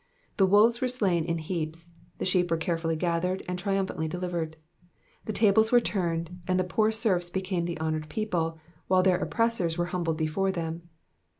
The wolves were slain in heaps, the sheep were carefully gathered, and triumphantly delivered. The tables were turned, and the poor serfs became the honoured people, while their oppressors were humbled before them.